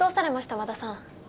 和田さん